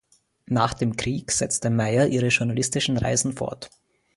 Nach dem Krieg setzte Meyer ihre journalistischen Reisen fort.